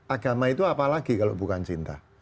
agama itu apalagi kalau bukan cinta